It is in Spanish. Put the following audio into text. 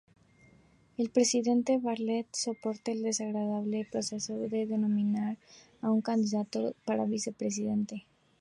El Presidente Bartlet soporta el desagradable proceso de nominar a un candidato para Vicepresidente.